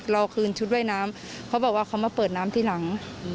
เราคืนชุดว่ายน้ำเขาบอกว่าเขามาเปิดน้ำทีหลัง